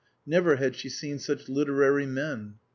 Never had she seen such literary men.